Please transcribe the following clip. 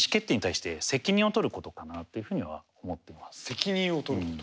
責任を取ること。